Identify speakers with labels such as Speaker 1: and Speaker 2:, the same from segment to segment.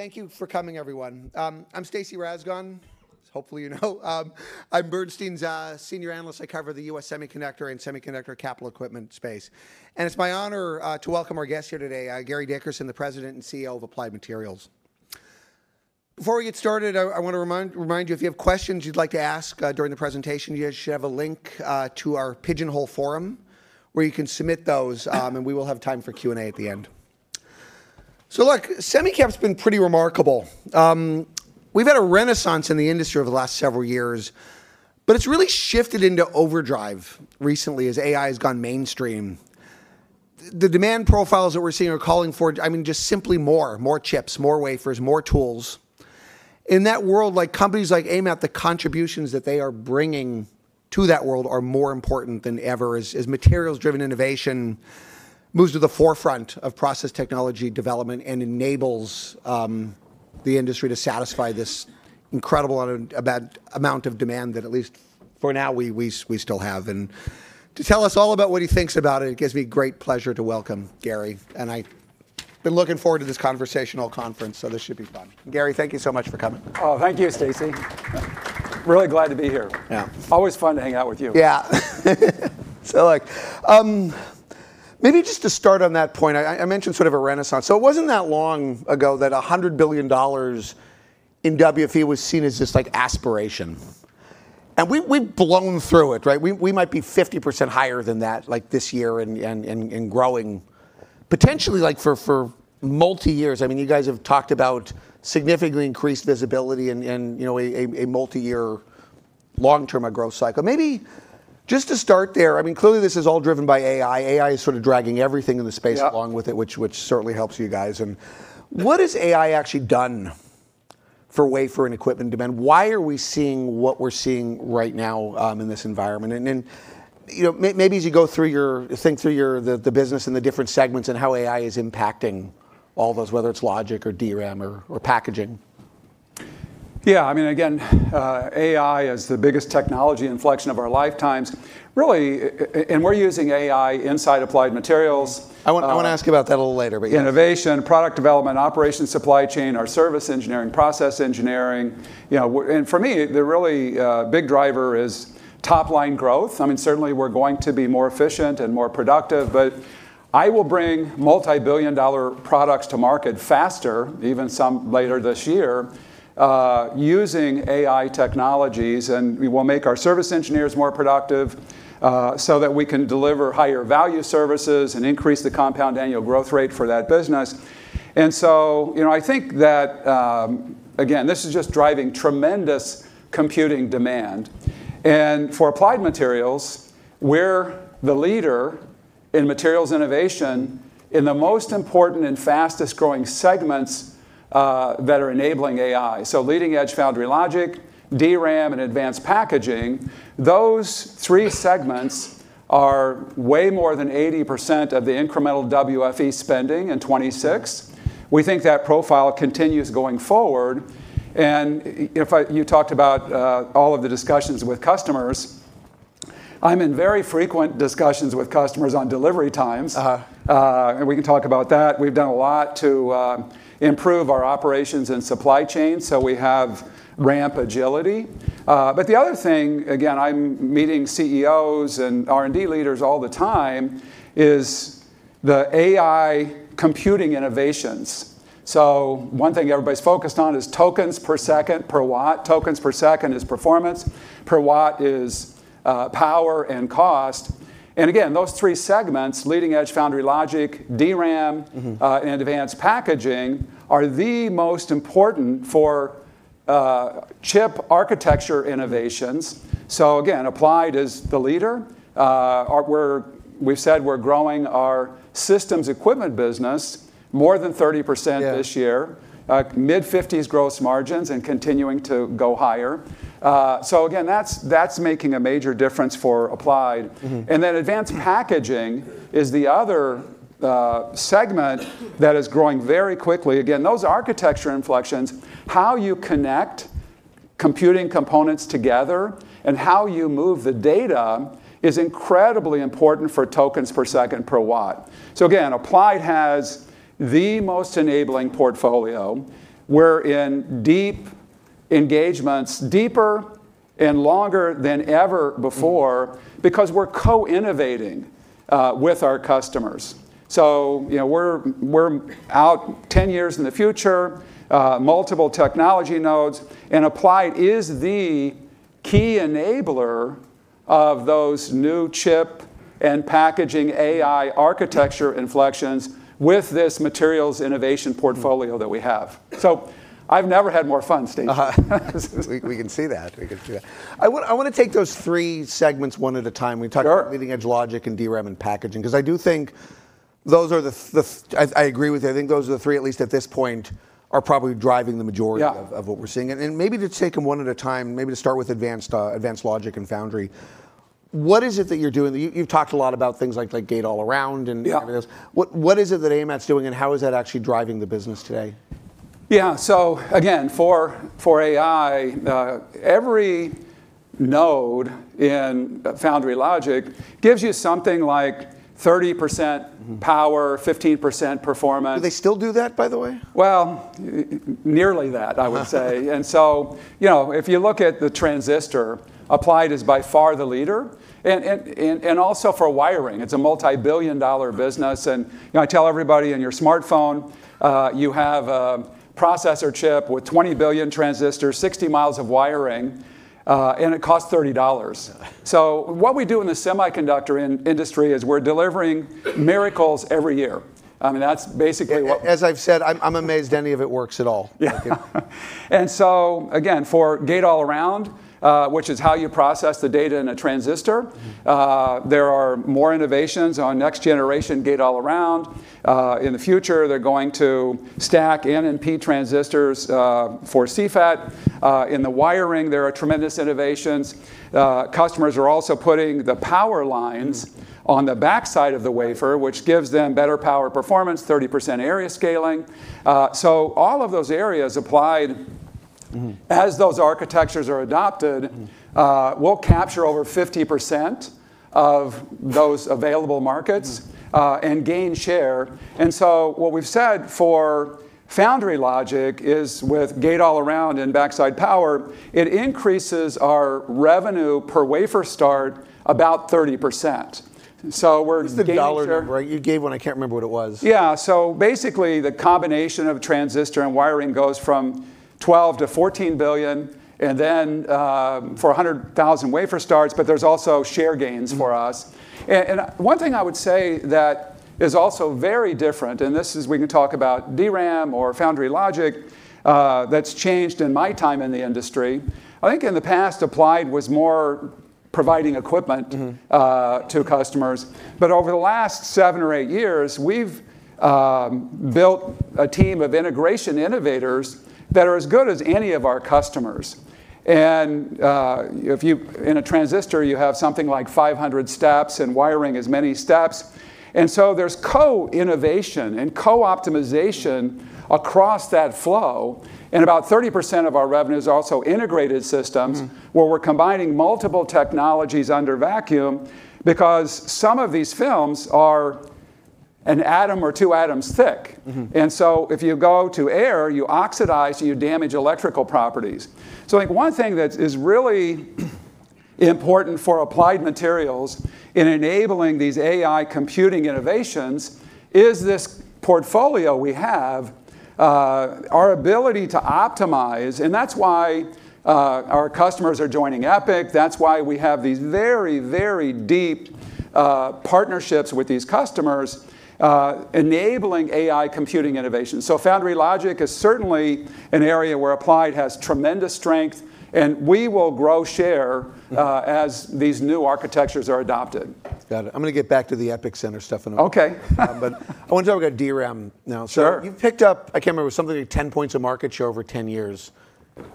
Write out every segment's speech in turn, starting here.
Speaker 1: Thank you for coming, everyone. I'm Stacy Rasgon. Hopefully, you know I'm Bernstein's senior analyst. I cover the U.S. semiconductor and semiconductor capital equipment space. It's my honor to welcome our guest here today, Gary Dickerson, the President and Chief Executive Officer of Applied Materials. Before we get started, I want to remind you, if you have questions you'd like to ask during the presentation, you should have a link to our Pigeonhole forum where you can submit those, and we will have time for Q&A at the end. Look, semi cap's been pretty remarkable. We've had a renaissance in the industry over the last several years, but it's really shifted into overdrive recently as AI has gone mainstream. The demand profiles that we're seeing are calling for just simply more, more chips, more wafers, more tools. In that world, companies like AMAT, the contributions that they are bringing to that world are more important than ever as materials-driven innovation moves to the forefront of process technology development and enables the industry to satisfy this incredible amount of demand that, at least for now, we still have. To tell us all about what he thinks about it gives me great pleasure to welcome Gary, and I've been looking forward to this conversational conference. This should be fun. Gary, thank you so much for coming.
Speaker 2: Oh, thank you, Stacy. Really glad to be here.
Speaker 1: Yeah.
Speaker 2: Always fun to hang out with you.
Speaker 1: Yeah. Look, maybe just to start on that point, I mentioned sort of a renaissance. It wasn't that long ago that $100 billion in WFE was seen as this aspiration, and we've blown through it, right? We might be 50% higher than that this year and growing, potentially for multi-years. You guys have talked about significantly increased visibility and a multi-year long term growth cycle. Maybe just to start there, clearly this is all driven by AI. AI is sort of dragging everything in the space along with it.
Speaker 2: Yeah
Speaker 1: which certainly helps you guys. What has AI actually done for wafer and equipment demand? Why are we seeing what we're seeing right now in this environment? Maybe as you think through the business and the different segments and how AI is impacting all those, whether it's logic or DRAM or packaging.
Speaker 2: Yeah. Again, AI is the biggest technology inflection of our lifetimes, really. We're using AI inside Applied Materials.
Speaker 1: I want to ask you about that a little later, but yes.
Speaker 2: Innovation, product development, operations, supply chain, our service engineering, process engineering. For me, the really big driver is top-line growth. Certainly, we're going to be more efficient and more productive, but I will bring multi-billion dollar products to market faster, even some later this year, using AI technologies, and we will make our service engineers more productive, so that we can deliver higher value services and increase the compound annual growth rate for that business. I think that, again, this is just driving tremendous computing demand. For Applied Materials, we're the leader in materials innovation in the most important and fastest-growing segments that are enabling AI. Leading-edge foundry logic, DRAM, and advanced packaging, those three segments are way more than 80% of the incremental WFE spending in 2026. We think that profile continues going forward. You talked about all of the discussions with customers. I'm in very frequent discussions with customers on delivery times. We can talk about that. We've done a lot to improve our operations and supply chain, so we have ramp agility. The other thing, again, I'm meeting CEOs and R&D leaders all the time, is the AI computing innovations. One thing everybody's focused on is tokens per second per watt. Tokens per second is performance, per watt is power and cost. Again, those three segments, leading-edge foundry logic, DRAM- Advanced packaging are the most important for chip architecture innovations. Again, Applied is the leader. We've said we're growing our systems equipment business more than 30% this year.
Speaker 1: Yeah.
Speaker 2: Mid-50s gross margins and continuing to go higher. Again, that's making a major difference for Applied. Advanced packaging is the other segment that is growing very quickly. Again, those architecture inflections, how you connect computing components together and how you move the data is incredibly important for tokens per second per watt. Again, Applied has the most enabling portfolio. We're in deep engagements, deeper and longer than ever before because we're co-innovating with our customers. We're out 10 years in the future, multiple technology nodes, and Applied is the key enabler of those new chip and packaging AI architecture inflections with this materials innovation portfolio that we have. I've never had more fun, Stacy.
Speaker 1: We can see that. I want to take those three segments one at a time.
Speaker 2: Sure.
Speaker 1: We talked about leading-edge logic and DRAM and packaging, because I do think, I agree with you, I think those are the three, at least at this point, are probably driving the majority.
Speaker 2: Yeah
Speaker 1: of what we're seeing. Maybe to take them one at a time, maybe to start with advanced logic and foundry, what is it that you're doing? You've talked a lot about things like gate-all-around and whatever it is.
Speaker 2: Yeah.
Speaker 1: What is it that AMAT's doing, and how is that actually driving the business today?
Speaker 2: Yeah. Again, for AI, everynode in foundry logic gives you something like 30% power, 15% performance.
Speaker 1: Do they still do that, by the way?
Speaker 2: Well, nearly that I would say. If you look at the transistor, Applied is by far the leader. Also for wiring, it's a multi-billion dollar business, and I tell everybody, in your smartphone, you have a processor chip with 20 billion transistors, 60 mi of wiring, and it costs $30.
Speaker 1: Yeah.
Speaker 2: What we do in the semiconductor industry is we're delivering miracles every year.
Speaker 1: As I've said, I'm amazed any of it works at all.
Speaker 2: Yeah. Again, for gate-all-around, which is how you process the data in a transistor, there are more innovations on next generation gate-all-around. In the future, they're going to stack N and P transistors for CFET. In the wiring, there are tremendous innovations. Customers are also putting the power lines on the backside of the wafer, which gives them better power performance, 30% area scaling. All of those areas Applied, as those architectures are adopted, will capture over 50% of those available markets and gain share. What we've said for foundry logic is, with gate-all-around and backside power, it increases our revenue per wafer start about 30%. We're gaining share.
Speaker 1: What's the dollar number? You gave one, I can't remember what it was.
Speaker 2: Yeah. Basically, the combination of transistor and wiring goes from $12 billion-$14 billion for 100,000 wafer starts. There's also share gains for us. One thing I would say that is also very different, this is, we can talk about DRAM or foundry logic, that's changed in my time in the industry. I think in the past Applied was more providing equipment- to customers. Over the last seven or eight years, we've built a team of integration innovators that are as good as any of our customers. In a transistor, you have something like 500 steps, and wiring as many steps. There's co-innovation and co-optimization across that flow, and about 30% of our revenue is also integrated systems. where we're combining multiple technologies under vacuum. Some of these films are an atom or two atoms thick. If you go to air, you oxidize, and you damage electrical properties. I think one thing that is really important for Applied Materials in enabling these AI computing innovations is this portfolio we have, our ability to optimize, and that's why our customers are joining EPIC. That's why we have these very, very deep partnerships with these customers, enabling AI computing innovation. Foundry logic is certainly an area where Applied has tremendous strength, and we will grow share as these new architectures are adopted.
Speaker 1: Got it. I'm going to get back to the EPIC Center stuff in a bit.
Speaker 2: Okay.
Speaker 1: I want to talk about DRAM now.
Speaker 2: Sure.
Speaker 1: You picked up, I can't remember, something like 10 points of market share over 10 years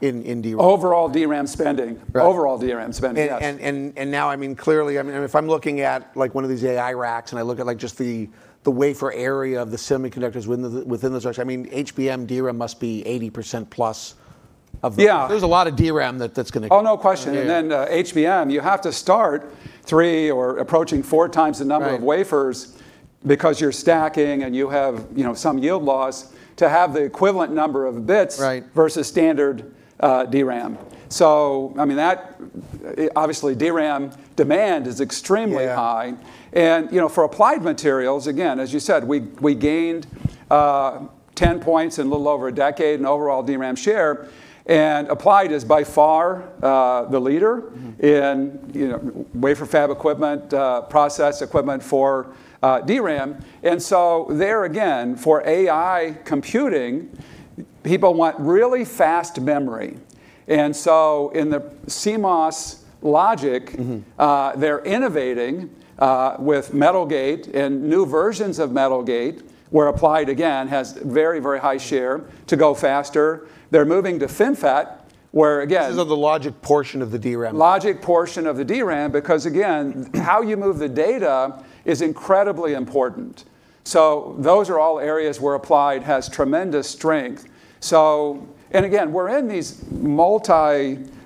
Speaker 1: in DRAM.
Speaker 2: Overall DRAM spending.
Speaker 1: Right.
Speaker 2: Overall DRAM spending, yes.
Speaker 1: Clearly, if I'm looking at one of these AI racks, and I look at just the wafer area of the semiconductors within the structure, HBM DRAM must be 80% plus of the-
Speaker 2: Yeah
Speaker 1: There's a lot of DRAM that's going to go in there.
Speaker 2: Oh, no question. HBM, you have to start three or approaching four times the number of wafers.
Speaker 1: Right
Speaker 2: because you're stacking, and you have some yield loss, to have the equivalent number of bits.
Speaker 1: Right
Speaker 2: versus standard DRAM. Obviously DRAM demand is extremely high.
Speaker 1: Yeah.
Speaker 2: For Applied Materials, again, as you said, we gained 10 points in a little over a decade in overall DRAM share, and Applied is by far the leader in wafer fab equipment, process equipment for DRAM. There again, for AI computing, people want really fast memory. In the CMOS logic- they're innovating with metal gate and new versions of metal gate, where Applied again, has very, very high share to go faster.
Speaker 1: This is of the logic portion of the DRAM.
Speaker 2: logic portion of the DRAM, because again, how you move the data is incredibly important. Those are all areas where Applied has tremendous strength. Again, we're in these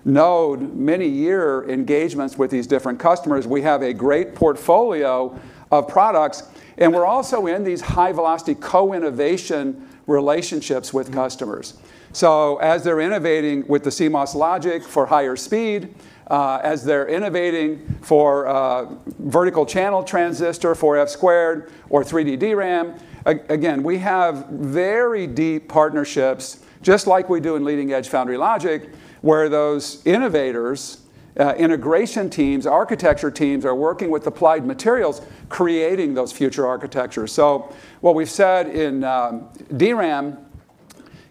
Speaker 2: multi-node, many year engagements with these different customers. We have a great portfolio of products, and we're also in these high velocity co-innovation relationships with customers. As they're innovating with the CMOS logic for higher speed, as they're innovating for vertical channel transistor, 4F² or 3D DRAM, again, we have very deep partnerships, just like we do in leading edge foundry logic, where those innovators, integration teams, architecture teams, are working with Applied Materials, creating those future architectures. What we've said in DRAM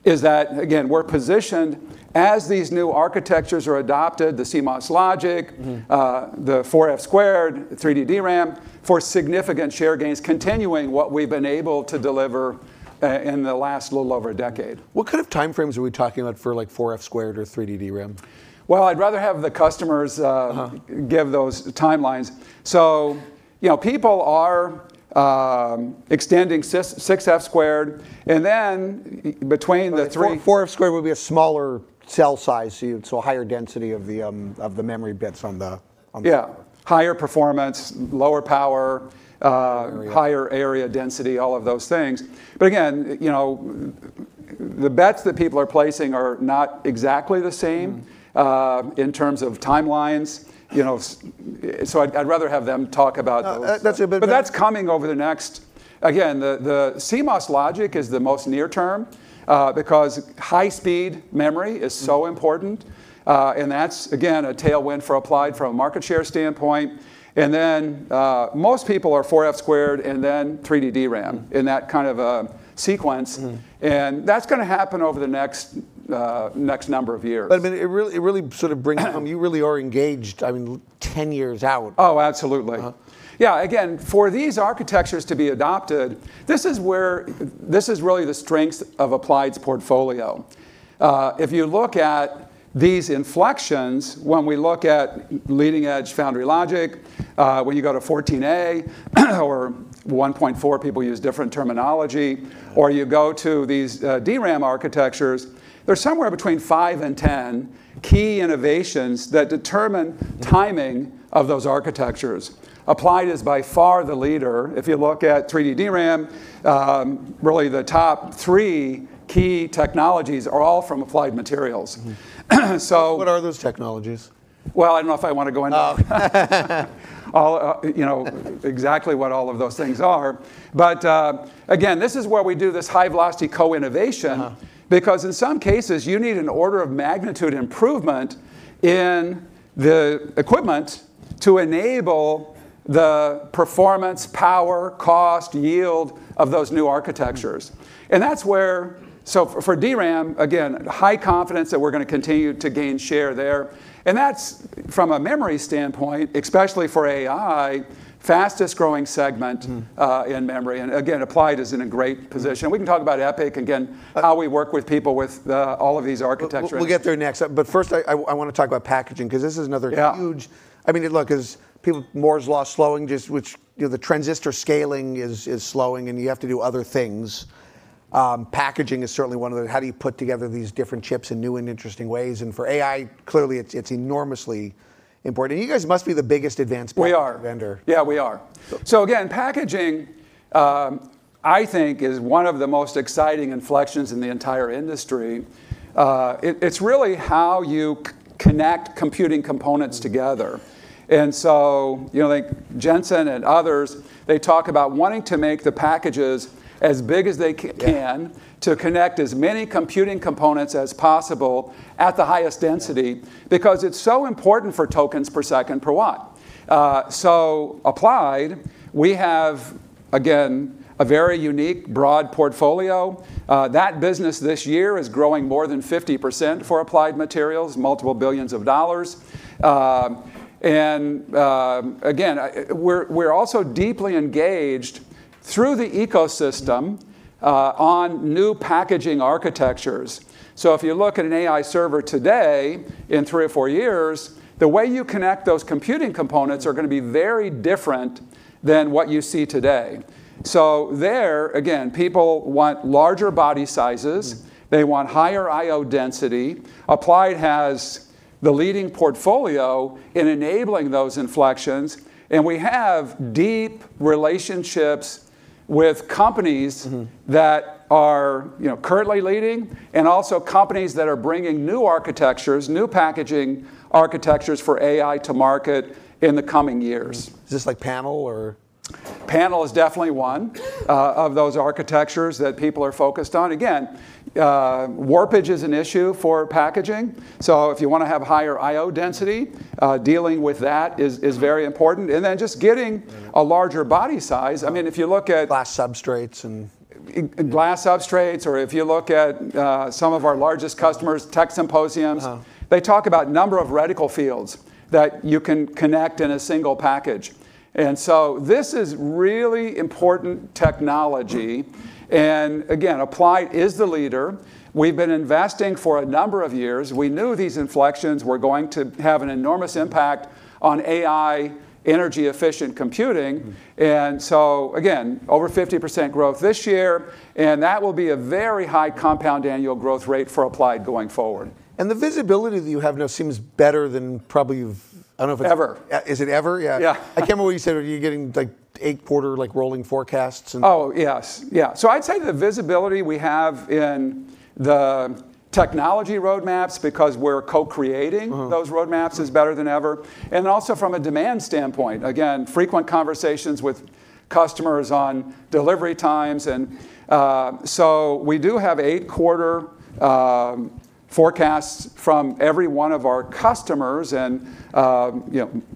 Speaker 2: is that, again, we're positioned as these new architectures are adopted, the CMOS logic. the 4F², 3D DRAM, for significant share gains, continuing what we've been able to deliver in the last little over a decade.
Speaker 1: What kind of time frames are we talking about for 4F² or 3D DRAM?
Speaker 2: Well, I'd rather have the customers. give those timelines. people are extending 6F².
Speaker 1: 4F² would be a smaller cell size, so a higher density of the memory bits on the-
Speaker 2: Yeah. Higher performance, lower power-
Speaker 1: Area
Speaker 2: higher area density, all of those things. Again, you know, the bets that people are placing are not exactly the same. in terms of timelines. I'd rather have them talk about those.
Speaker 1: That's a big bet.
Speaker 2: Again, the CMOS logic is the most near term, because high-speed memory is so important. That's, again, a tailwind for Applied from a market share standpoint. Most people are 4F² and then 3D DRAM, in that kind of a sequence. That's going to happen over the next number of years.
Speaker 1: It really brings home, you really are engaged, I mean, 10 years out.
Speaker 2: Oh, absolutely. Yeah. Again, for these architectures to be adopted, this is really the strength of Applied's portfolio. If you look at these inflections, when we look at leading-edge foundry logic, when you go to 14A or 1.4, people use different terminology, or you go to these DRAM architectures, there's somewhere between five and 10 key innovations that determine timing of those architectures. Applied is by far the leader. If you look at 3D DRAM, really the top three key technologies are all from Applied Materials.
Speaker 1: What are those technologies?
Speaker 2: Well, I don't know if I want to go into.
Speaker 1: Oh.
Speaker 2: exactly what all of those things are. Again, this is where we do this high velocity co-innovation. In some cases, you need an order of magnitude improvement in the equipment to enable the performance, power, cost, yield of those new architectures. For DRAM, again, high confidence that we're going to continue to gain share there. That's, from a memory standpoint, especially for AI, fastest growing segment. in memory. Again, Applied is in a great position. We can talk about EPIC, again, how we work with people with all of these architectures.
Speaker 1: We'll get there next. First, I want to talk about packaging, because this is another.
Speaker 2: Yeah
Speaker 1: I mean, look, Moore's Law slowing, the transistor scaling is slowing. You have to do other things. Packaging is certainly one of those. How do you put together these different chips in new and interesting ways? For AI, clearly it's enormously important. You guys must be the biggest advanced pack-
Speaker 2: We are
Speaker 1: vendor.
Speaker 2: Yeah, we are. So. Again, packaging, I think is one of the most exciting inflections in the entire industry. It's really how you connect computing components together. Jensen and others, they talk about wanting to make the packages as big as they can.
Speaker 1: Yeah
Speaker 2: to connect as many computing components as possible at the highest density, because it's so important for tokens per second per watt. Applied, we have, again, a very unique, broad portfolio. That business this year is growing more than 50% for Applied Materials, multiple billions of dollars. Again, we're also deeply engaged through the ecosystem on new packaging architectures. If you look at an AI server today, in three or four years, the way you connect those computing components are going to be very different than what you see today. There, again, people want larger body sizes. They want higher I/O density. Applied has the leading portfolio in enabling those inflections, and we have deep relationships with companies. that are currently leading, and also companies that are bringing new architectures, new packaging architectures for AI to market in the coming years.
Speaker 1: Is this like panel or?
Speaker 2: Panel is definitely one of those architectures that people are focused on. Warpage is an issue for packaging, so if you want to have higher I/O density, dealing with that is very important. Just getting a larger body size.
Speaker 1: Glass substrates and-
Speaker 2: glass substrates, or if you look at some of our largest customers, tech symposiums they talk about number of reticle fields that you can connect in a single package. This is really important technology. Again, Applied is the leader. We've been investing for a number of years. We knew these inflections were going to have an enormous impact on AI, energy efficient computing. Again, over 50% growth this year, and that will be a very high compound annual growth rate for Applied going forward.
Speaker 1: The visibility that you have now seems better than probably.
Speaker 2: Ever.
Speaker 1: Is it ever? Yeah.
Speaker 2: Yeah.
Speaker 1: I can't remember what you said, are you getting eight quarter rolling forecasts?
Speaker 2: Oh, yes. Yeah. I'd say the visibility we have in the technology roadmaps, because we're co-creating. those roadmaps, is better than ever. Also from a demand standpoint, again, frequent conversations with customers on delivery times, we do have eight quarter forecasts from every one of our customers and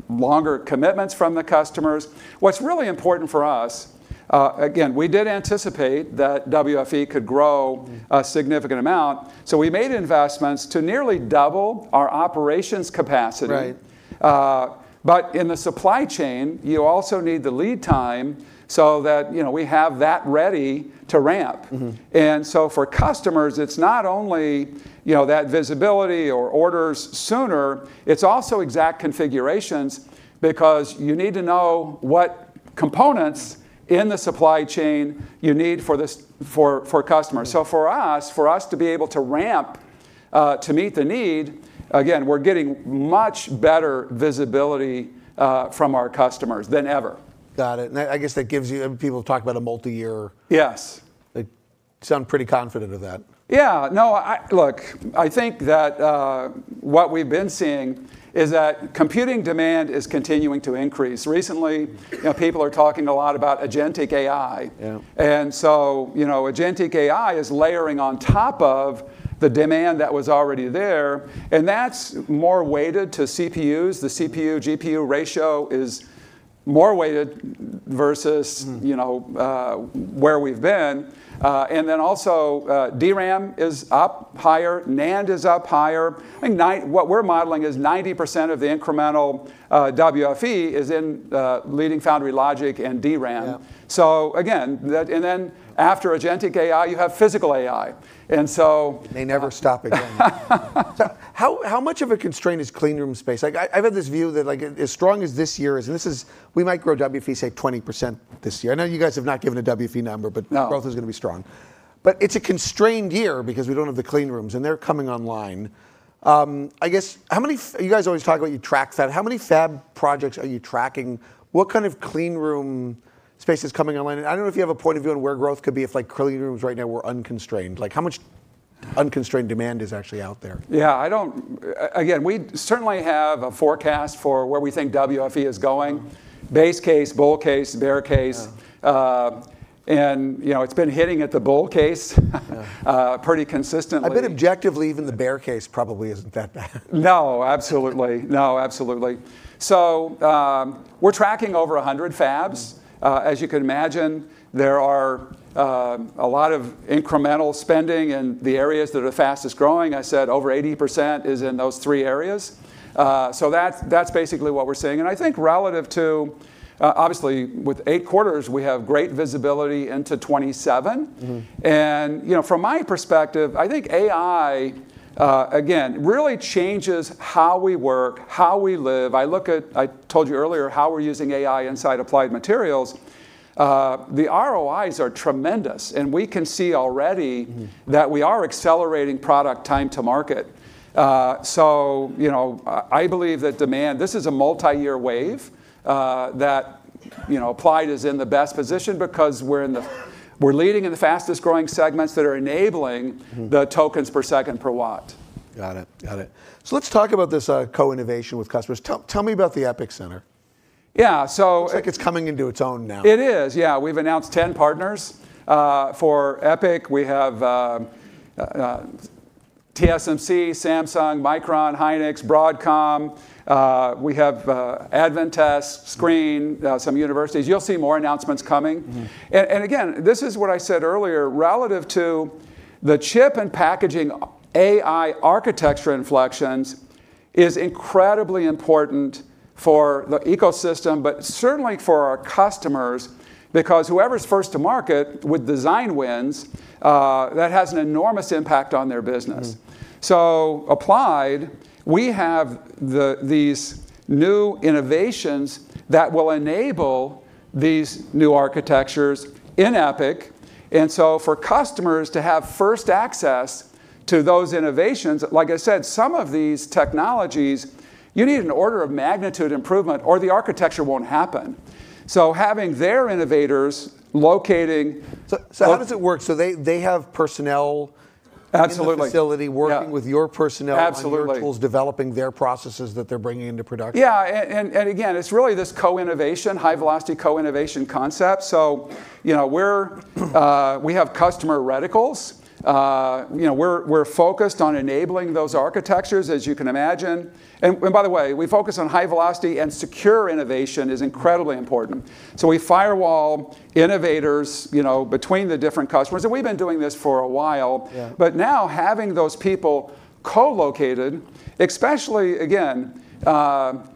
Speaker 2: longer commitments from the customers. What's really important for us, again, we did anticipate that WFE could grow. A significant amount, so we made investments to nearly double our operations capacity.
Speaker 1: Right.
Speaker 2: In the supply chain, you also need the lead time so that we have that ready to ramp. For customers, it's not only that visibility or orders sooner, it's also exact configurations because you need to know what components in the supply chain you need for customers. For us, for us to be able to ramp to meet the need, again, we're getting much better visibility from our customers than ever.
Speaker 1: Got it. People talk about.
Speaker 2: Yes
Speaker 1: They sound pretty confident of that.
Speaker 2: Yeah. Look, I think that what we've been seeing is that computing demand is continuing to increase. Recently, people are talking a lot about agentic AI.
Speaker 1: Yeah.
Speaker 2: Agentic AI is layering on top of the demand that was already there, and that's more weighted to CPUs. The CPU-GPU ratio is more weighted. where we've been. DRAM is up higher. NAND is up higher. I think what we're modeling is 90% of the incremental WFE is in Leading Foundry Logic and DRAM.
Speaker 1: Yeah.
Speaker 2: Again, and then after agentic AI, you have physical AI.
Speaker 1: They never stop, again. How much of a constraint is clean room space? I've had this view that as strong as this year is, we might grow WFE, say, 20% this year. I know you guys have not given a WFE number.
Speaker 2: No
Speaker 1: growth is going to be strong. It's a constrained year because we don't have the clean rooms, and they're coming online. You guys always talk about you track fab. How many fab projects are you tracking? What kind of clean room space is coming online? I don't know if you have a point of view on where growth could be if clean rooms right now were unconstrained. How much unconstrained demand is actually out there?
Speaker 2: Yeah. We certainly have a forecast for where we think WFE is going. Base case, bull case, bear case.
Speaker 1: Yeah.
Speaker 2: It's been hitting at the bull case.
Speaker 1: Yeah
Speaker 2: pretty consistently.
Speaker 1: I bet objectively, even the bear case probably isn't that bad.
Speaker 2: No, absolutely. We're tracking over 100 fabs. As you can imagine, there are a lot of incremental spending in the areas that are fastest-growing. I said over 80% is in those three areas. That's basically what we're seeing. I think relative to, obviously, with eight quarters, we have great visibility into 2027. From my perspective, I think AI, again, really changes how we work, how we live. I told you earlier how we're using AI inside Applied Materials. The ROIs are tremendous, and we can see already. that we are accelerating product time to market. I believe that demand, this is a multi-year wave that Applied is in the best position because we're leading in the fastest-growing segments that are enabling the tokens per second per watt.
Speaker 1: Got it. Let's talk about this co-innovation with customers. Tell me about the EPIC Center.
Speaker 2: Yeah, so-
Speaker 1: Looks like it's coming into its own now.
Speaker 2: It is, yeah. We've announced 10 partners for EPIC. We have TSMC, Samsung, Micron, Hynix, Broadcom. We have Advantest, Screen, some universities. You'll see more announcements coming. Again, this is what I said earlier, relative to the chip and packaging AI architecture inflections is incredibly important for the ecosystem, but certainly for our customers, because whoever's first to market with design wins, that has an enormous impact on their business. Applied, we have these new innovations that will enable these new architectures in EPIC. For customers to have first access to those innovations, like I said, some of these technologies, you need an order of magnitude improvement, or the architecture won't happen. Having their innovators.
Speaker 1: How does it work? They have.
Speaker 2: Absolutely
Speaker 1: in the facility working-
Speaker 2: Yeah
Speaker 1: with your personnel.
Speaker 2: Absolutely
Speaker 1: on your tools, developing their processes that they're bringing into production?
Speaker 2: Yeah. Again, it's really this co-innovation, high velocity co-innovation concept. We have customer reticles. We're focused on enabling those architectures, as you can imagine. By the way, we focus on high velocity and secure innovation is incredibly important. We firewall innovators between the different customers, and we've been doing this for a while.
Speaker 1: Yeah.
Speaker 2: Now having those people co-located, especially, again,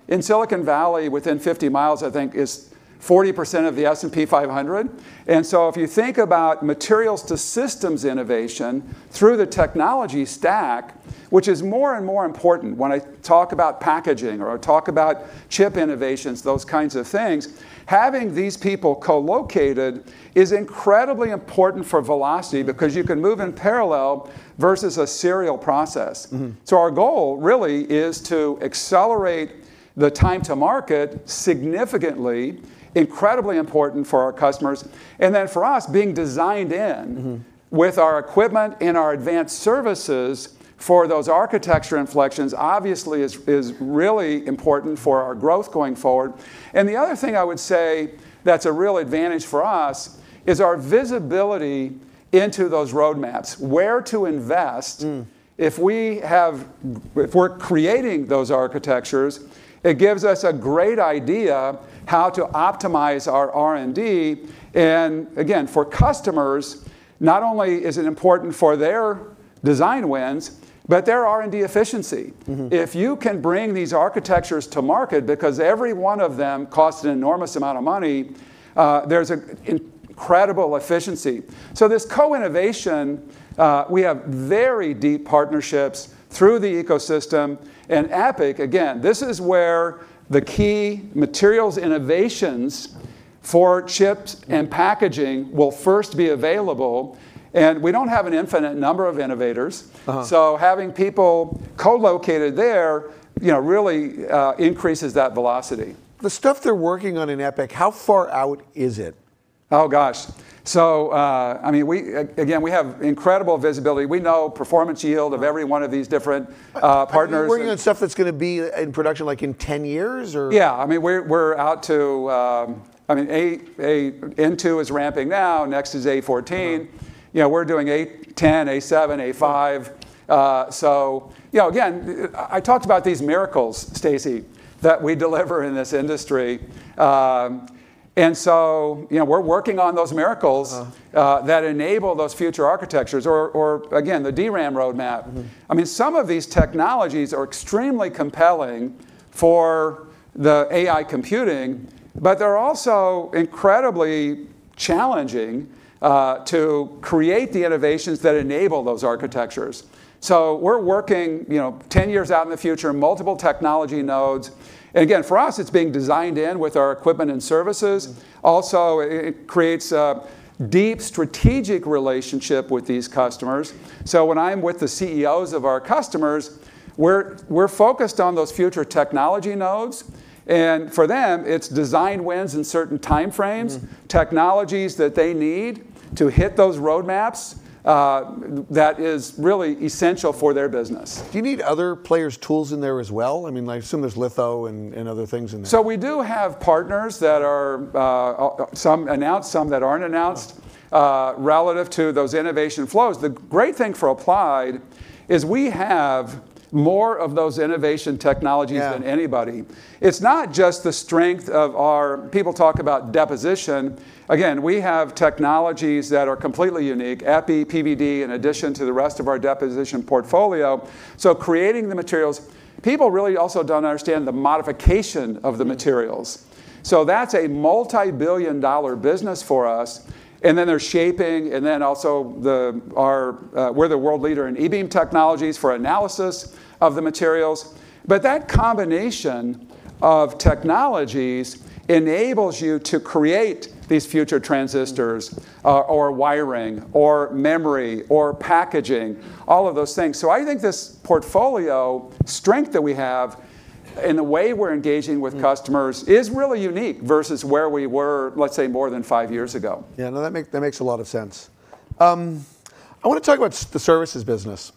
Speaker 2: in Silicon Valley within 50 miles, I think is 40% of the S&P 500. If you think about materials to systems innovation through the technology stack, which is more and more important when I talk about packaging or I talk about chip innovations, those kinds of things, having these people co-located is incredibly important for velocity because you can move in parallel versus a serial process. Our goal really is to accelerate the time to market significantly. Incredibly important for our customers. with our equipment and our advanced services for those architecture inflections, obviously, is really important for our growth going forward. The other thing I would say that's a real advantage for us is our visibility into those roadmaps. Where to invest. If we're creating those architectures, it gives us a great idea how to optimize our R&D. Again, for customers, not only is it important for their design wins, but their R&D efficiency. If you can bring these architectures to market, because every one of them costs an enormous amount of money, there's an incredible efficiency. This co-innovation, we have very deep partnerships through the ecosystem. EPIC, again, this is where the key materials innovations for chips and packaging will first be available, and we don't have an infinite number of innovators. Having people co-located there really increases that velocity.
Speaker 1: The stuff they're working on in EPIC, how far out is it?
Speaker 2: Oh, gosh. Again, we have incredible visibility. We know performance yield of every one of these different partners and.
Speaker 1: Are you working on stuff that's going to be in production, like in 10 years or?
Speaker 2: N2 is ramping now, next is A14. We're doing A10, A7, A5. Again, I talked about these miracles, Stacy, that we deliver in this industry. We're working on those miracles. that enable those future architectures or, again, the DRAM roadmap. Some of these technologies are extremely compelling for the AI computing, but they're also incredibly challenging to create the innovations that enable those architectures. We're working 10 years out in the future, multiple technology nodes. Again, for us, it's being designed in with our equipment and services. Also, it creates a deep strategic relationship with these customers. When I'm with the CEOs of our customers, we're focused on those future technology nodes, and for them, it's design wins in certain time frames. technologies that they need to hit those roadmaps, that is really essential for their business.
Speaker 1: Do you need other players' tools in there as well? I assume there's litho and other things in there.
Speaker 2: We do have partners that are, some announced, some that aren't announced.
Speaker 1: Oh
Speaker 2: relative to those innovation flows. The great thing for Applied is we have more of those innovation technologies than anybody.
Speaker 1: Yeah.
Speaker 2: It's not just the strength of our. People talk about deposition. We have technologies that are completely unique, EPI, PVD, in addition to the rest of our deposition portfolio, creating the materials. People really also don't understand the modification of the materials. That's a multi-billion dollar business for us. There's shaping, and also we're the world leader in e-beam technologies for analysis of the materials. That combination of technologies enables you to create these future transistors, or wiring, or memory, or packaging, all of those things. I think this portfolio strength that we have and the way we're engaging with customers. is really unique versus where we were, let's say, more than five years ago.
Speaker 1: Yeah, no, that makes a lot of sense. I want to talk about the services business,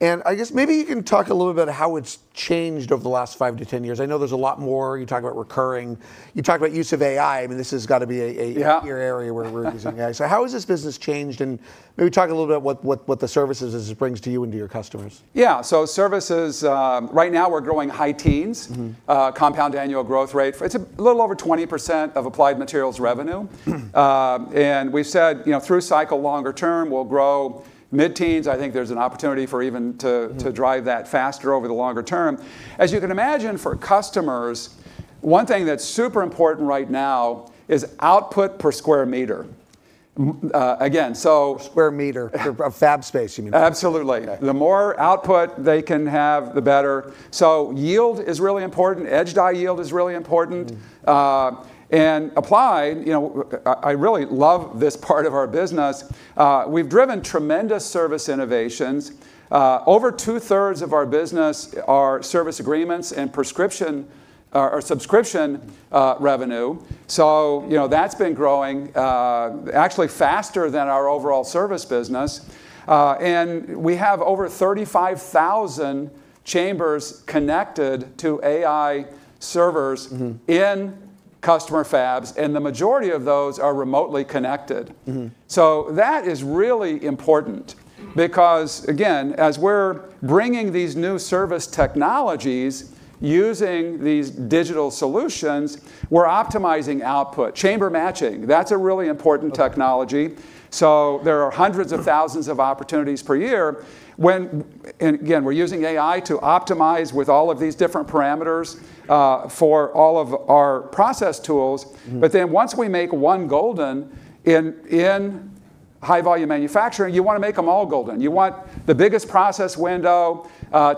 Speaker 1: and I guess maybe you can talk a little bit how it's changed over the last five to 10 years. I know there's a lot more. You talk about recurring, you talk about use of AI.
Speaker 2: Yeah
Speaker 1: your area where we're using AI. How has this business changed? Maybe talk a little bit what the services is it brings to you and to your customers.
Speaker 2: Yeah. Services, right now we're growing high teens. Compound annual growth rate. It's a little over 20% of Applied Materials revenue. We've said, through cycle longer term, we'll grow mid-teens. I think there's an opportunity for even to drive that faster over the longer term. As you can imagine for customers, one thing that's super important right now is output per square meter.
Speaker 1: Square meter of fab space, you mean?
Speaker 2: Absolutely.
Speaker 1: Okay.
Speaker 2: The more output they can have, the better. Yield is really important. Edge die yield is really important. Applied, I really love this part of our business. We've driven tremendous service innovations. Over two thirds of our business are service agreements and prescription or subscription revenue, that's been growing actually faster than our overall service business. We have over 35,000 chambers connected to AI servers. in customer fabs, and the majority of those are remotely connected. That is really important because, again, as we're bringing these new service technologies, using these digital solutions, we're optimizing output. Chamber matching, that's a really important technology. There are hundreds of thousands of opportunities per year. Again, we're using AI to optimize with all of these different parameters for all of our process tools. Once we make one golden, in high volume manufacturing, you want to make them all golden. You want the biggest process window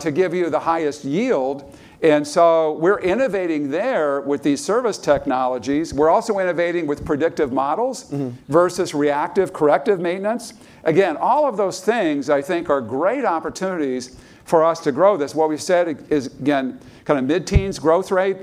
Speaker 2: to give you the highest yield, we're innovating there with these service technologies. We're also innovating with predictive models. versus reactive corrective maintenance. Again, all of those things I think are great opportunities for us to grow this. What we've said is, again, mid-teens growth rate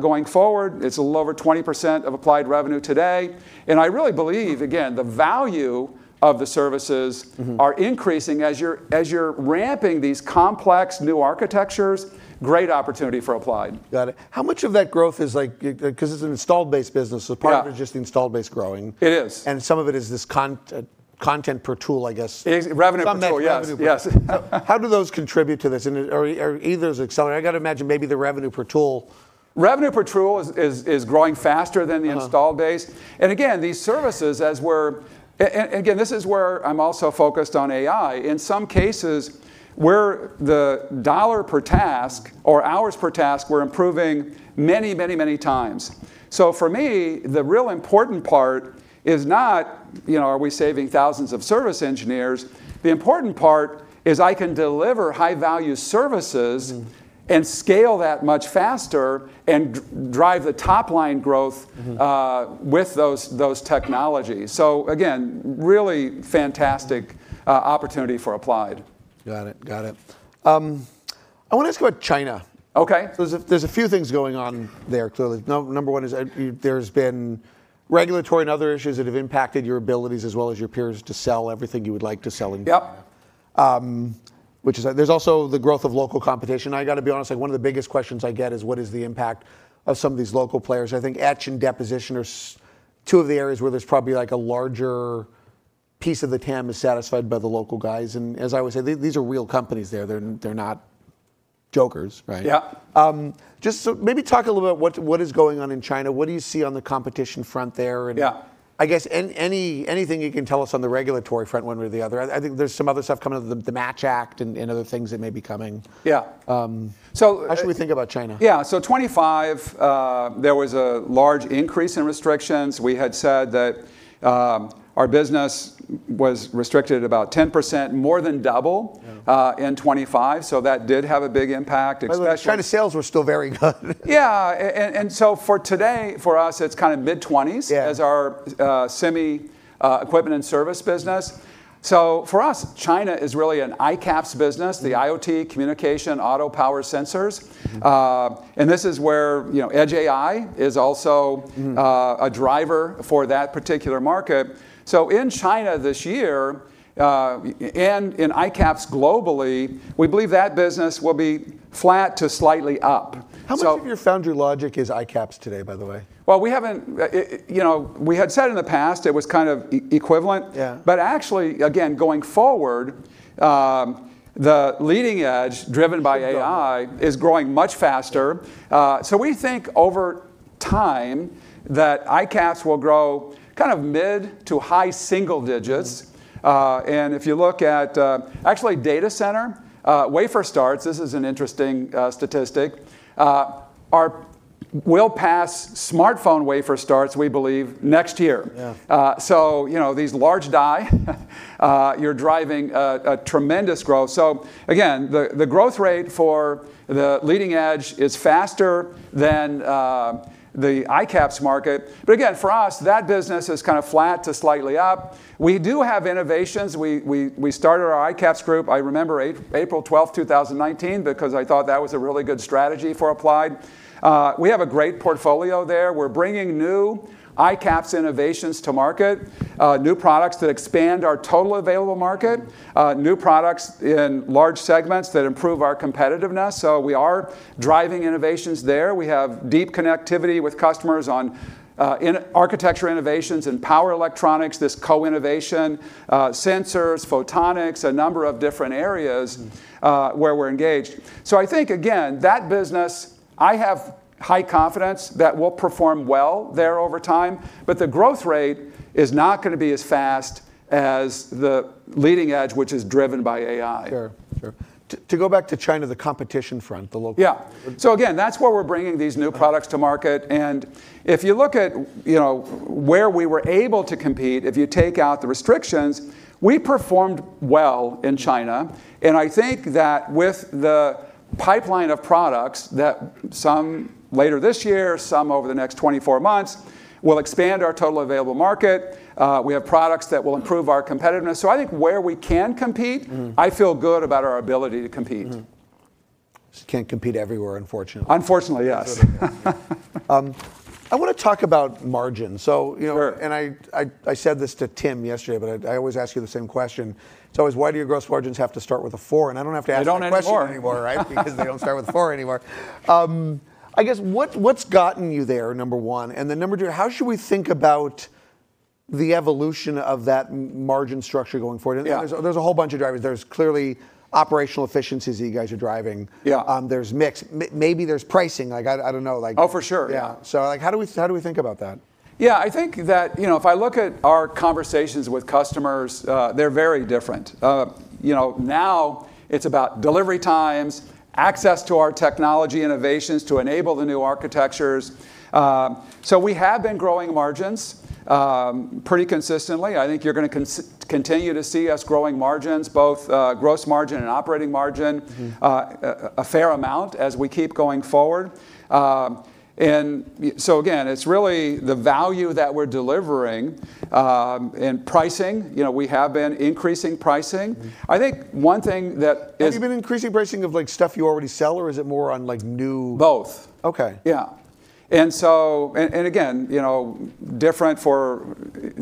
Speaker 2: going forward. It's a little over 20% of Applied revenue today. I really believe, again, the value of the services. are increasing as you're ramping these complex new architectures. Great opportunity for Applied.
Speaker 1: Got it. How much of that growth is like, because it's an installed base business, so part of it?
Speaker 2: Yeah
Speaker 1: is just the installed base growing.
Speaker 2: It is.
Speaker 1: Some of it is this content per tool, I guess.
Speaker 2: It is, revenue per tool. Yes.
Speaker 1: Some of that revenue per tool.
Speaker 2: Yes.
Speaker 1: How do those contribute to this? Are either of those accelerating? I got to imagine maybe the revenue per tool.
Speaker 2: Revenue per tool is growing faster than the install base. Again, these services, this is where I'm also focused on AI, in some cases, where the dollar per task or hours per task, we're improving many times. For me, the real important part is not are we saving thousands of service engineers. The important part is I can deliver high value services. Scale that much faster and drive the top line growth. with those technologies. Again, really fantastic opportunity for Applied.
Speaker 1: Got it. I want to ask about China.
Speaker 2: Okay.
Speaker 1: There's a few things going on there clearly. Number one is that there's been regulatory and other issues that have impacted your abilities as well as your peers to sell everything you would like to sell in China.
Speaker 2: Yep.
Speaker 1: There's also the growth of local competition. I got to be honest, one of the biggest questions I get is what is the impact of some of these local players. I think etch and deposition are two of the areas where there's probably a larger piece of the TAM is satisfied by the local guys. As I always say, these are real companies. They're not jokers, right?
Speaker 2: Yeah.
Speaker 1: Maybe talk a little about what is going on in China. What do you see on the competition front there?
Speaker 2: Yeah.
Speaker 1: I guess anything you can tell us on the regulatory front, one way or the other. I think there's some other stuff coming up, the MATCH Act and other things that may be coming.
Speaker 2: Yeah.
Speaker 1: How should we think about China?
Speaker 2: Yeah. 2025, there was a large increase in restrictions. We had said that our business was restricted about 10%, more than double-
Speaker 1: Yeah
Speaker 2: in 2025, so that did have a big impact, especially.
Speaker 1: By the way, China sales were still very good.
Speaker 2: Yeah. For today, for us, it's kind of mid 20s.
Speaker 1: Yeah
Speaker 2: is our semi equipment and service business. For us, China is really an ICAPS business, the IoT communication auto power sensors. This is where Edge AI is also a driver for that particular market. In China this year, and in ICAPS globally, we believe that business will be flat to slightly up.
Speaker 1: How much of your foundry logic is ICAPS today, by the way?
Speaker 2: Well, we had said in the past it was kind of equivalent.
Speaker 1: Yeah.
Speaker 2: Actually, again, going forward, the leading edge driven by AI.
Speaker 1: Keep growing.
Speaker 2: is growing much faster. We think over time that ICAPS will grow kind of mid to high single digits. If you look at actually data center, wafer starts, this is an interesting statistic, will pass smartphone wafer starts, we believe, next year.
Speaker 1: Yeah.
Speaker 2: These large die, you're driving tremendous growth. Again, the growth rate for the leading edge is faster than the ICAPS market. Again, for us, that business is kind of flat to slightly up. We do have innovations. We started our ICAPS group, I remember, April 12th, 2019, because I thought that was a really good strategy for Applied. We have a great portfolio there. We're bringing new ICAPS innovations to market, new products that expand our total available market, new products in large segments that improve our competitiveness. We are driving innovations there. We have deep connectivity with customers on architecture innovations and power electronics, this co-innovation, sensors, photonics, a number of different areas where we're engaged. I think, again, that business, I have high confidence that we'll perform well there over time, but the growth rate is not going to be as fast as the leading edge, which is driven by AI.
Speaker 1: Sure. To go back to China, the competition front, the local-
Speaker 2: Yeah. Again, that's where we're bringing these new products to market. If you look at where we were able to compete, if you take out the restrictions, we performed well in China, and I think that with the pipeline of products that some later this year, some over the next 24 months, will expand our total available market. We have products that will improve our competitiveness. I think where we can compete- I feel good about our ability to compete.
Speaker 1: Just can't compete everywhere, unfortunately.
Speaker 2: Unfortunately, yes.
Speaker 1: I want to talk about margin.
Speaker 2: Sure
Speaker 1: I said this to Tim yesterday. I always ask you the same question. It's always why do your gross margins have to start with a four? I don't have to ask the question anymore.
Speaker 2: They don't anymore.
Speaker 1: right? Because they don't start with a four anymore. I guess what's gotten you there, number one, and then number two, how should we think about the evolution of that margin structure going forward?
Speaker 2: Yeah.
Speaker 1: There's a whole bunch of drivers. There's clearly operational efficiencies that you guys are driving.
Speaker 2: Yeah.
Speaker 1: There's mix. Maybe there's pricing. I don't know.
Speaker 2: Oh, for sure. Yeah.
Speaker 1: How do we think about that?
Speaker 2: Yeah, I think that if I look at our conversations with customers, they're very different. Now it's about delivery times, access to our technology innovations to enable the new architectures. We have been growing margins pretty consistently. I think you're going to continue to see us growing margins, both gross margin and operating margin. a fair amount as we keep going forward. Again, it's really the value that we're delivering, and pricing, we have been increasing pricing.
Speaker 1: Have you been increasing pricing of stuff you already sell, or is it more on new-?
Speaker 2: Both.
Speaker 1: Okay.
Speaker 2: Yeah. Again, different for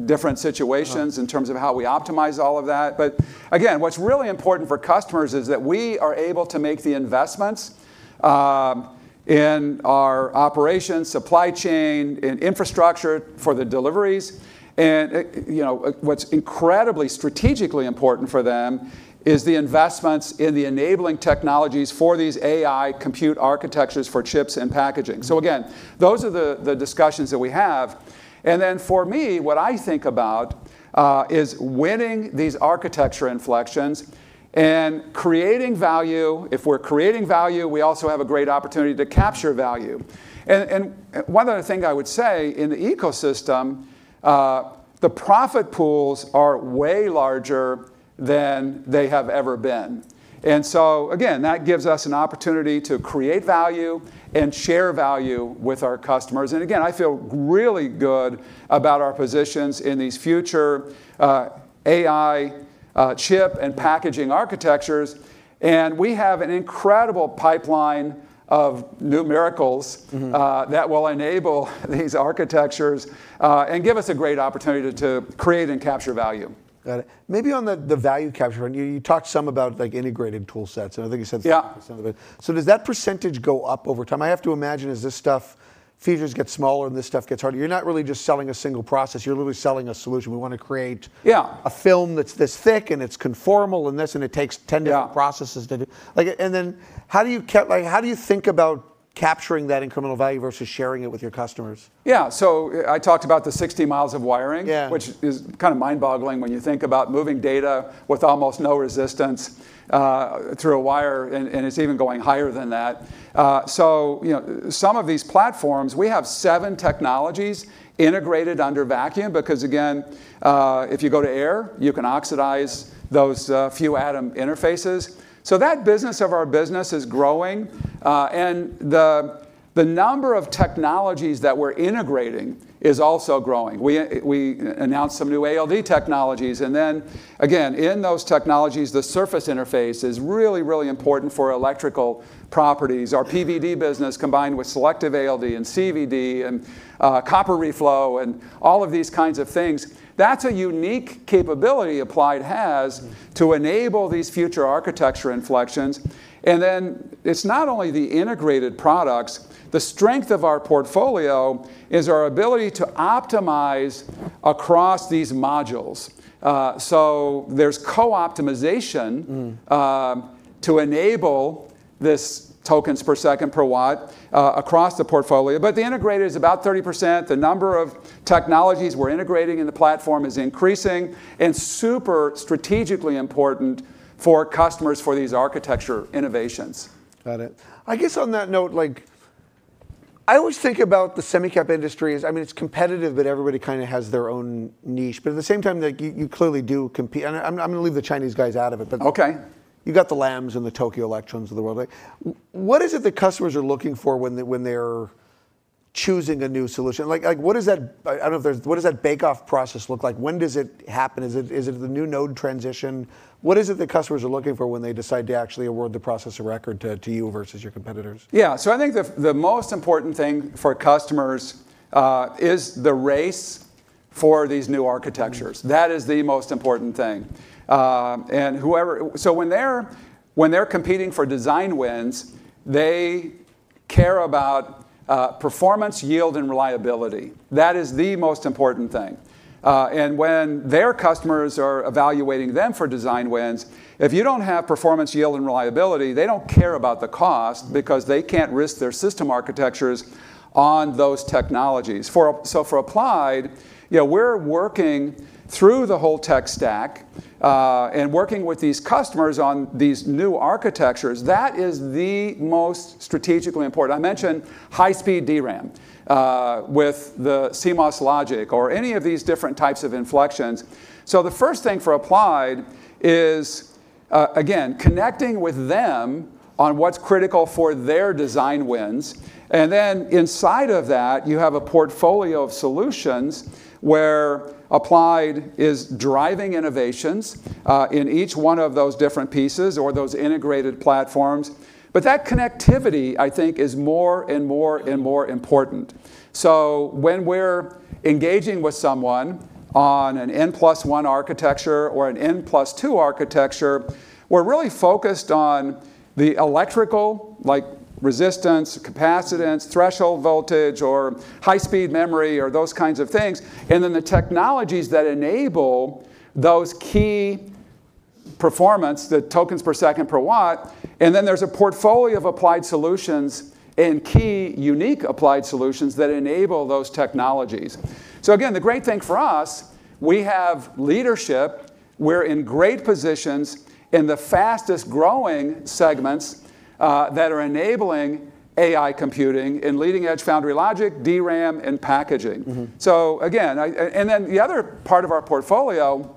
Speaker 2: different situations. in terms of how we optimize all of that. Again, what's really important for customers is that we are able to make the investments in our operations, supply chain, in infrastructure for the deliveries, and what's incredibly strategically important for them is the investments in the enabling technologies for these AI compute architectures for chips and packaging. Again, those are the discussions that we have. Then for me, what I think about is winning these architecture inflections and creating value. If we're creating value, we also have a great opportunity to capture value. One other thing I would say, in the ecosystem, the profit pools are way larger than they have ever been. Again, that gives us an opportunity to create value and share value with our customers. Again, I feel really good about our positions in these future AI- chip and packaging architectures, and we have an incredible pipeline of new miracles. that will enable these architectures and give us a great opportunity to create and capture value.
Speaker 1: Got it. Maybe on the value capture, and you talked some about integrated tool sets, and I think you said-
Speaker 2: Yeah
Speaker 1: something percentage of it. Does that percentage go up over time? I have to imagine as this stuff, features get smaller and this stuff gets harder, you're not really just selling a single process, you're literally selling a solution. We want to create.
Speaker 2: Yeah
Speaker 1: a film that's this thick, and it's conformal, and this, and it takes 10 different-
Speaker 2: Yeah
Speaker 1: processes to do. How do you think about capturing that incremental value versus sharing it with your customers?
Speaker 2: Yeah. I talked about the 60 mi of wiring.
Speaker 1: Yeah
Speaker 2: which is kind of mind-boggling when you think about moving data with almost no resistance through a wire, and it's even going higher than that. Some of these platforms, we have seven technologies integrated under vacuum because, again, if you go to air, you can oxidize those few atom interfaces. That business of our business is growing. The number of technologies that we're integrating is also growing. We announced some new ALD technologies, and then, again, in those technologies the surface interface is really, really important for electrical properties. Our PVD business combined with selective ALD, and CVD, and copper reflow, and all of these kinds of things, that's a unique capability Applied has to enable these future architecture inflections. It's not only the integrated products, the strength of our portfolio is our ability to optimize across these modules. to enable this tokens per second per watt across the portfolio. The integrator is about 30%, the number of technologies we're integrating in the platform is increasing, and super strategically important for customers for these architecture innovations.
Speaker 1: Got it. I guess on that note, I always think about the semi cap industry as, it's competitive, but everybody kind of has their own niche. At the same time, you clearly do compete, and I'm going to leave the Chinese guys out of it.
Speaker 2: Okay
Speaker 1: You've got the Lam's and the Tokyo Electrons of the world. What is it that customers are looking for when they're choosing a new solution? What does that bake off process look like? When does it happen? Is it the new node transition? What is it that customers are looking for when they decide to actually award the process of record to you versus your competitors?
Speaker 2: Yeah. I think the most important thing for customers is the race for these new architectures. That is the most important thing. When they're competing for design wins, they care about performance, yield, and reliability. That is the most important thing. When their customers are evaluating them for design wins, if you don't have performance, yield, and reliability, they don't care about the cost because they can't risk their system architectures on those technologies. For Applied, we're working through the whole tech stack, and working with these customers on these new architectures, that is the most strategically important. I mentioned high-speed DRAM with the CMOS logic or any of these different types of inflections. The first thing for Applied is, again, connecting with them on what's critical for their design wins, and then inside of that you have a portfolio of solutions where Applied is driving innovations in each one of those different pieces or those integrated platforms. That connectivity, I think, is more and more and more important. When we're engaging with someone on an N plus one architecture or an N plus two architecture, we're really focused on the electrical resistance, capacitance, threshold voltage, or high-speed memory or those kinds of things, and then the technologies that enable those key performance, the tokens per second per watt, and then there's a portfolio of Applied solutions and key unique Applied solutions that enable those technologies. Again, the great thing for us, we have leadership, we're in great positions in the fastest-growing segments that are enabling AI computing in leading-edge foundry logic, DRAM, and packaging. The other part of our portfolio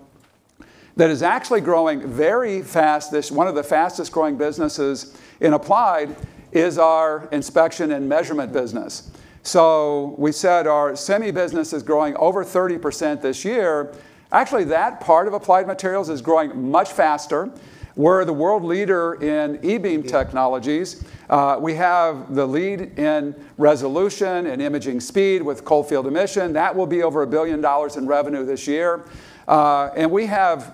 Speaker 2: that is actually growing very fast, one of the fastest-growing businesses in Applied, is our inspection and measurement business. We said our semi business is growing over 30% this year. Actually, that part of Applied Materials is growing much faster. We're the world leader in e-beam technologies. We have the lead in resolution and imaging speed with cold field emission. That will be over $1 billion in revenue this year. We have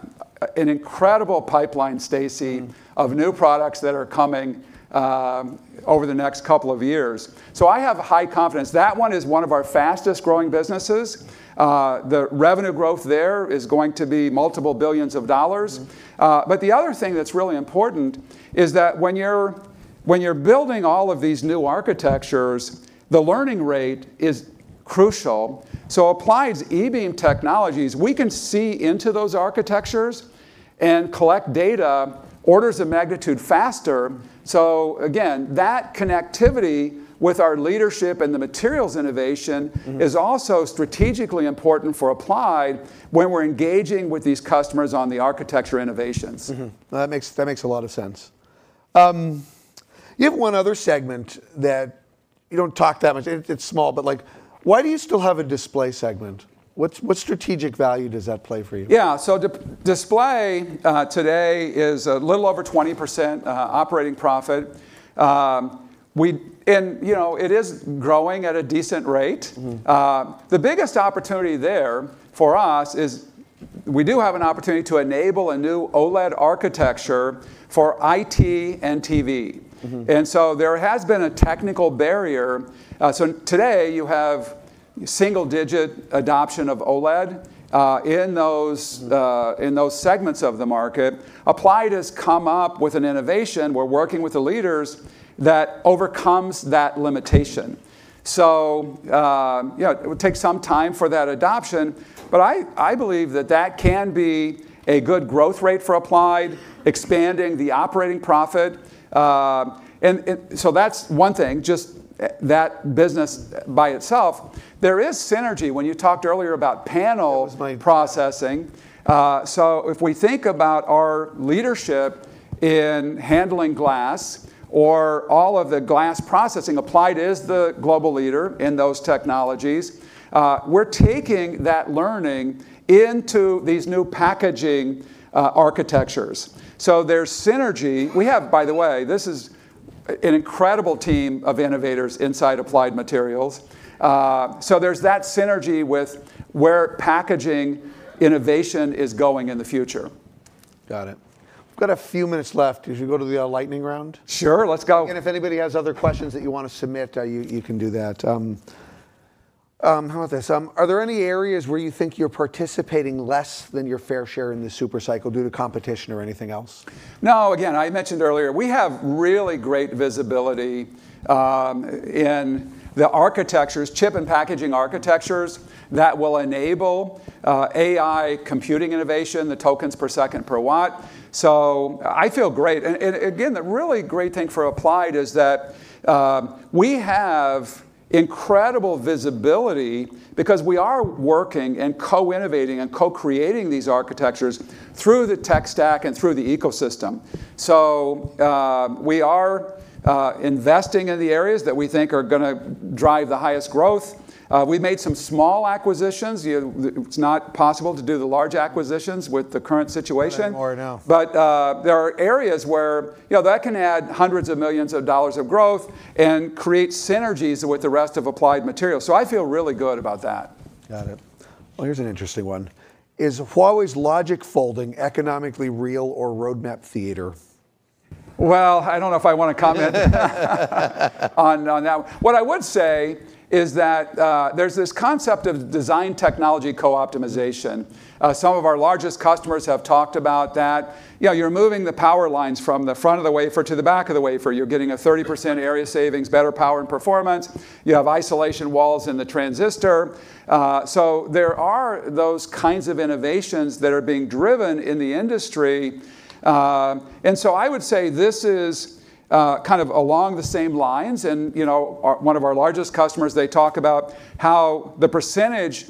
Speaker 2: an incredible pipeline, Stacy, of new products that are coming over the next couple of years. I have high confidence. That one is one of our fastest-growing businesses. The revenue growth there is going to be multiple billions of dollars. The other thing that's really important is that when you're building all of these new architectures, the learning rate is crucial. Applied's e-beam technologies, we can see into those architectures and collect data orders of magnitude faster. Again, that connectivity with our leadership and the materials innovation. is also strategically important for Applied when we're engaging with these customers on the architecture innovations.
Speaker 1: That makes a lot of sense. You have one other segment that you don't talk that much. It's small, but why do you still have a display segment? What strategic value does that play for you?
Speaker 2: Yeah. display today is a little over 20% operating profit. It is growing at a decent rate. The biggest opportunity there for us is we do have an opportunity to enable a new OLED architecture for IT and TV. There has been a technical barrier. Today you have single-digit adoption of OLED in those segments of the market. Applied has come up with an innovation, we're working with the leaders, that overcomes that limitation. It would take some time for that adoption, but I believe that that can be a good growth rate for Applied, expanding the operating profit. That's one thing, just that business by itself. There is synergy. When you talked earlier about panel-.
Speaker 1: That was my-
Speaker 2: processing. If we think about our leadership in handling glass or all of the glass processing, Applied is the global leader in those technologies, we're taking that learning into these new packaging architectures. There's synergy. By the way, this is an incredible team of innovators inside Applied Materials. There's that synergy with where packaging innovation is going in the future.
Speaker 1: Got it. We've got a few minutes left. Should we go to the lightning round?
Speaker 2: Sure, let's go.
Speaker 1: If anybody has other questions that you want to submit, you can do that. How about this? Are there any areas where you think you're participating less than your fair share in this super cycle due to competition or anything else?
Speaker 2: Again, I mentioned earlier, we have really great visibility in the architectures, chip and packaging architectures, that will enable AI computing innovation, the tokens per second per watt. I feel great. Again, the really great thing for Applied is that we have incredible visibility because we are working and co-innovating and co-creating these architectures through the tech stack and through the ecosystem. We are investing in the areas that we think are going to drive the highest growth. We've made some small acquisitions. It's not possible to do the large acquisitions with the current situation.
Speaker 1: Not anymore, no.
Speaker 2: There are areas where that can add hundreds of millions of dollars growth and create synergies with the rest of Applied Materials. I feel really good about that.
Speaker 1: Got it. Well, here's an interesting one. Is Huawei's LogicFolding economically real or roadmap theater?
Speaker 2: Well, I don't know if I want to comment on that one. What I would say is that there's this concept of design technology co-optimization. Some of our largest customers have talked about that. You're moving the power lines from the front of the wafer to the back of the wafer. You're getting a 30% area savings, better power and performance. You have isolation walls in the transistor. There are those kinds of innovations that are being driven in the industry. I would say this is kind of along the same lines and one of our largest customers, they talk about how the percentage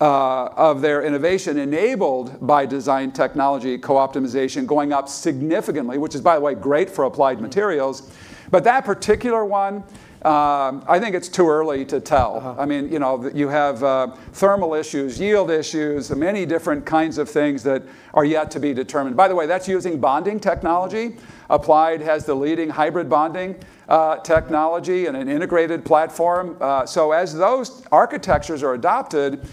Speaker 2: of their innovation enabled by design technology co-optimization going up significantly, which is by the way, great for Applied Materials. That particular one, I think it's too early to tell. You have thermal issues, yield issues, many different kinds of things that are yet to be determined. By the way, that's using bonding technology. Applied has the leading hybrid bonding technology and an integrated platform. As those architectures are adopted,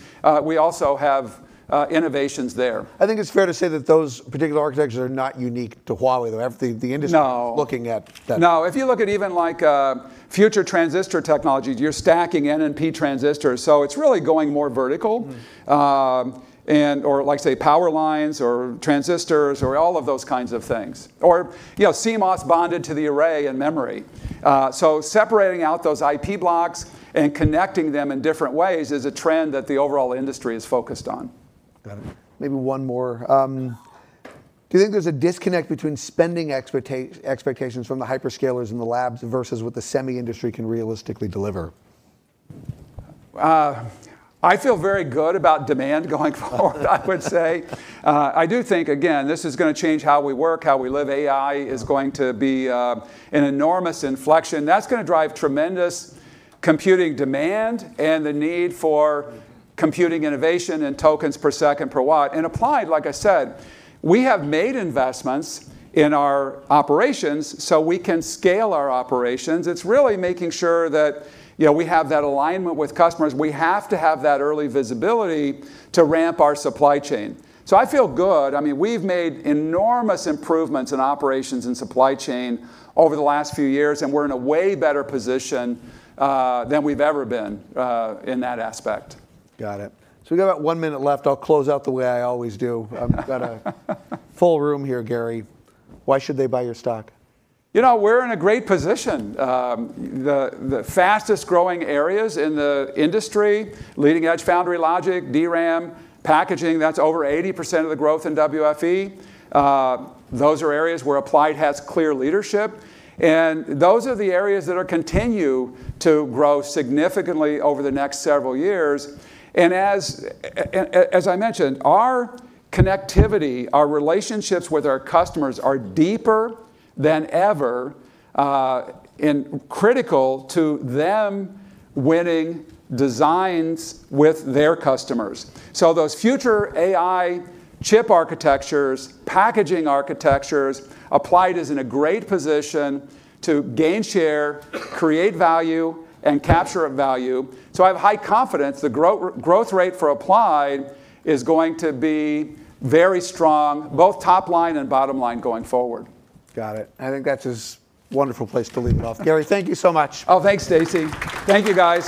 Speaker 2: we also have innovations there.
Speaker 1: I think it's fair to say that those particular architectures are not unique to Huawei, though.
Speaker 2: No
Speaker 1: Looking at that.
Speaker 2: No, if you look at even future transistor technologies, you're stacking N and P transistors, so it's really going more vertical. Like, say, power lines or transistors or all of those kinds of things, or CMOS bonded to the array and memory. Separating out those IP blocks and connecting them in different ways is a trend that the overall industry is focused on.
Speaker 1: Got it. Maybe one more. Do you think there's a disconnect between spending expectations from the hyperscalers in the labs versus what the semi industry can realistically deliver?
Speaker 2: I feel very good about demand going forward, I would say. I do think, again, this is going to change how we work, how we live. AI is going to be an enormous inflection. That's going to drive tremendous computing demand and the need for computing innovation and tokens per second per watt. Applied, like I said, we have made investments in our operations so we can scale our operations. It's really making sure that we have that alignment with customers. We have to have that early visibility to ramp our supply chain. I feel good. We've made enormous improvements in operations and supply chain over the last few years, and we're in a way better position than we've ever been in that aspect.
Speaker 1: Got it. We've got about one minute left. I'll close out the way I always do. I've got a full room here, Gary. Why should they buy your stock?
Speaker 2: We're in a great position. The fastest-growing areas in the industry, leading edge foundry logic, DRAM, packaging, that's over 80% of the growth in WFE. Those are areas where Applied has clear leadership, and those are the areas that will continue to grow significantly over the next several years. As I mentioned, our connectivity, our relationships with our customers are deeper than ever, and critical to them winning designs with their customers. Those future AI chip architectures, packaging architectures, Applied is in a great position to gain share, create value, and capture a value. I have high confidence the growth rate for Applied is going to be very strong, both top line and bottom line going forward.
Speaker 1: Got it. I think that's a wonderful place to leave it off. Gary, thank you so much.
Speaker 2: Oh, thanks, Stacy. Thank you, guys.